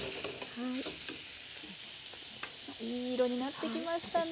いい色になってきましたね。